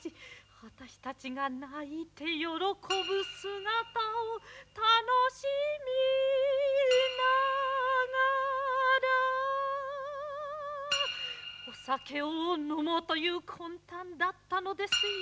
あたし達が泣いて喜ぶ姿を楽しみながらお酒をのもうという魂たんだったのですよ